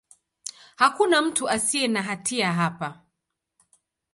Hakuna mtu asiye na hatia hapa.